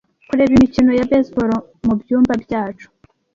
kureba imikino ya baseball mubyumba byacu.